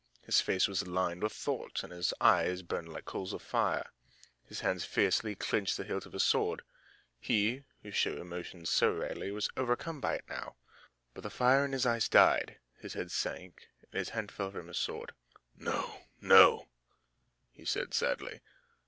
His face was lined with thought and his eyes burned like coals of fire. His hand fiercely clinched the hilt of his sword. He, who showed emotion so rarely, was overcome by it now. But the fire in his eyes died, his head sank, and his hand fell from his sword. "No, no," he said sadly.